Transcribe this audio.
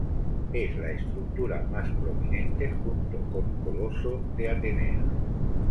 Es la estructura más prominente junto con Coloso de Atenea.